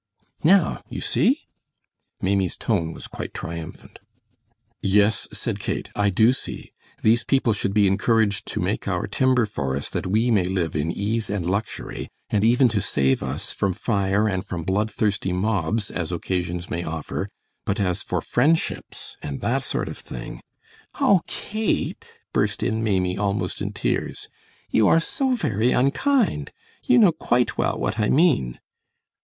Now you see!" Maimie's tone was quite triumphant. "Yes," said Kate! "I do see! These people should be encouraged to make our timber for us that we may live in ease and luxury, and even to save us from fire and from blood thirsty mobs, as occasions may offer, but as for friendships and that sort of thing " "Oh, Kate," burst in Maimie, almost in tears, "you are so very unkind. You know quite well what I mean."